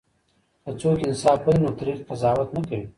که څوک انصاف ولري نو تريخ قضاوت نه کوي.